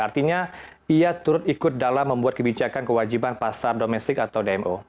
artinya ia turut ikut dalam membuat kebijakan kewajiban pasar domestik atau dmo